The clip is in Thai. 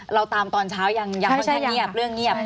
เราตามตอนเช้ายังเงียบเรื่องเงียบ